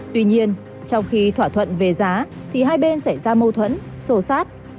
tuy nhiên trong khi thỏa thuận về giá thì hai bên xảy ra mâu thuẫn xô xát